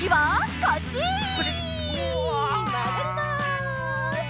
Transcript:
まがります！